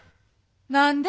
何で？